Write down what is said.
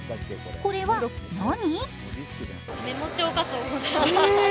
これは何？